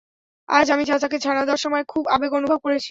আজ, আমি চাচাকে ছানা দেওয়ার সময়, খুব আবেগ অনুভব করেছি।